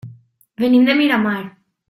Venim de Miramar.